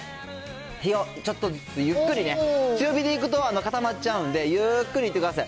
火をちょっとずつゆっくりね、強火でいくと固まっちゃうんで、ゆっくりいってください。